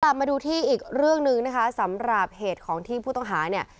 มาดูที่อีกเรื่องหนึ่งนะคะสำหรับเหตุของที่ผู้ต้องหาเนี่ย